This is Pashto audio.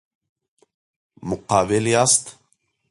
مقابل یاست.